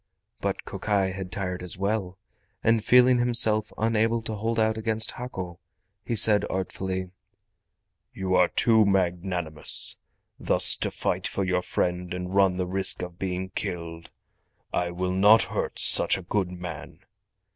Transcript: But Kokai had tired as well, and feeling him self unable to hold out against Hako, he said artfully: "You are too magnanimous, thus to fight for your friend and run the risk of being killed. I will not hurt such a good man."